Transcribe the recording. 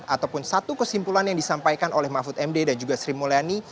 ataupun satu kesimpulan yang disampaikan oleh mahfud md dan juga sri mulyani